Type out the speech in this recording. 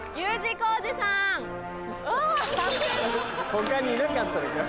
他にいなかったのか？